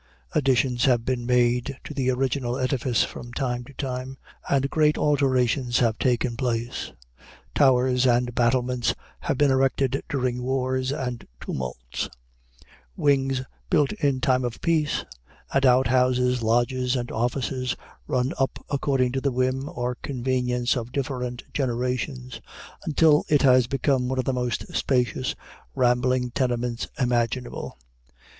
Additions have been made to the original edifice from time to time, and great alterations have taken place; towers and battlements have been erected during wars and tumults: wings built in time of peace; and out houses, lodges, and offices, run up according to the whim or convenience of different generations, until it has become one of the most spacious, rambling tenements imaginable.